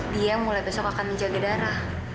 dia mulai besok akan menjaga darah